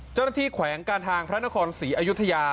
เจ้าหน้าที่แขว้งการทางพระราชนครศรีอยุธยา